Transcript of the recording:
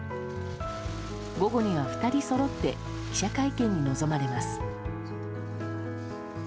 午後には２人そろって記者会見に臨まれます。